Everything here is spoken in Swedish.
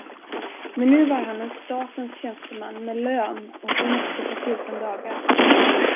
Men nu var han en statens tjänsteman med lön och semester på fjorton dagar.